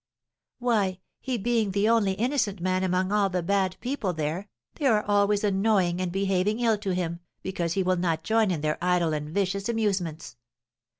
"Why, he being the only innocent man among all the bad people there, they are always annoying and behaving ill to him, because he will not join in their idle and vicious amusements.